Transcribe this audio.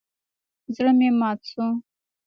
زړه مې مات شو.